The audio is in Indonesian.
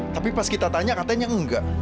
tapi pas kita tanya katanya enggak